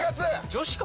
女子か？